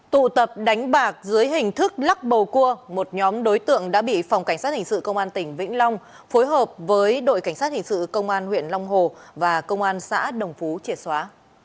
tụ tập đánh bạc dưới hình thức lắc bầu cua một nhóm đối tượng đã bị phòng cảnh sát hình sự công an tỉnh vĩnh long phối hợp với đội cảnh sát hình sự công an huyện long hồ và công an xã đồng phú triệt xóa